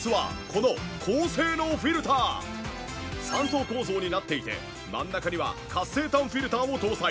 ３層構造になっていて真ん中には活性炭フィルターを搭載。